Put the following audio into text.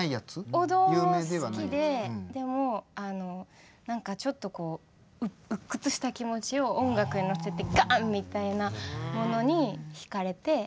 王道も好きででもちょっと鬱屈した気持ちを音楽に乗せてガン！みたいなものに引かれて。